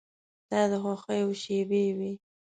دا د خوښیو شېبې وې.